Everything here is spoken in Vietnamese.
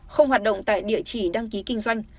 không hoạt động tại địa chỉ đăng ký kinh doanh